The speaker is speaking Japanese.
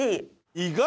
意外！